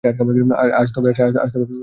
আজ তবে আসি।